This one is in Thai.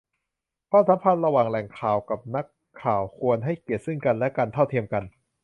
ความสัมพันธ์ระหว่างแหล่งข่าวกับนักข่าวควรให้เกียรติซึ่งกันและกัน เท่าเทียมกัน